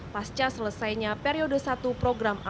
pasca selesainya periodonnya